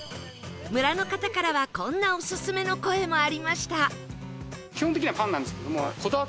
村の方からはこんなオススメの声もありました